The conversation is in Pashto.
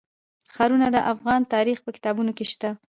ښارونه د افغان تاریخ په کتابونو کې شته.